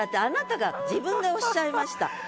あなたが自分でおっしゃいました。